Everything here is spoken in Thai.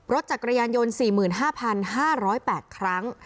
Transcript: รถจักรยานยนต์๔๕๕๐๘ครั้ง